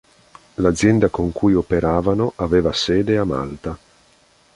L'azienda con cui operavano aveva sede a Malta.